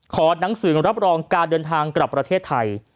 หนังสือรับรองการเดินทางกลับประเทศไทย